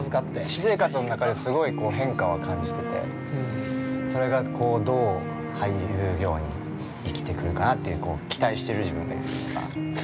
◆私生活の中で、変化は感じててそれがどう俳優業に生きてくるか期待してる自分がいる。